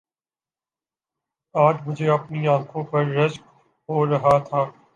آج مجھے اپنی انکھوں پر رشک ہو رہا تھا